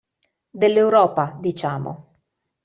Dell'Europa, diciamo.